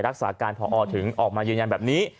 รักษาการพอถึงออกมายืนยันแบบนี้